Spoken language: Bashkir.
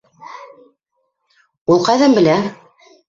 — Ул ҡайҙан белә?